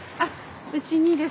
うちにです。